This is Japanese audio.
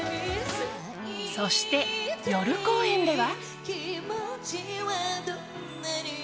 そして夜公演では。